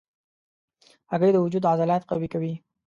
هګۍ د وجود عضلات قوي کوي.